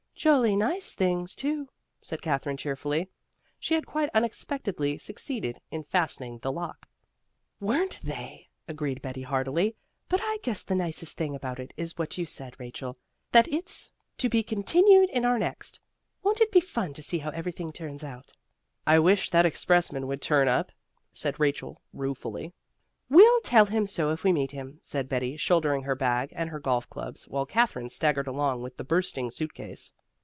"Jolly nice things too," said Katherine cheerfully. She had quite unexpectedly succeeded in fastening the lock. "Weren't they!" agreed Betty heartily. "But I guess the nicest thing about it is what you said, Rachel that it's 'to be continued in our next.' Won't it be fun to see how everything turns out?" "I wish that expressman would turn up," said Rachel ruefully. "We'll tell him so if we meet him," said Betty, shouldering her bag and her golf clubs, while Katherine staggered along with the bursting suit case.